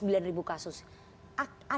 ada pola yang sama gak sebetulnya pak ahmad